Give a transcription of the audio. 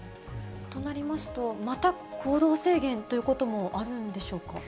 となりますと、また行動制限ということもあるんでしょうか。